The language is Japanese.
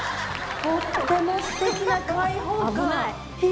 とっても素敵な開放感。